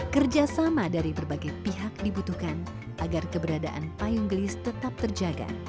kerjasama dari berbagai pihak dibutuhkan agar keberadaan payung gelis tetap terjaga